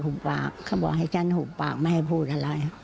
ปากเขาบอกให้ฉันหุบปากไม่ให้พูดอะไร